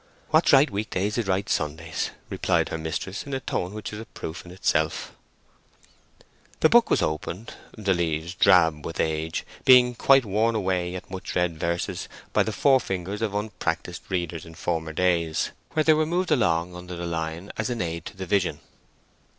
"What's right week days is right Sundays," replied her mistress in a tone which was a proof in itself. The book was opened—the leaves, drab with age, being quite worn away at much read verses by the forefingers of unpractised readers in former days, where they were moved along under the line as an aid to the vision.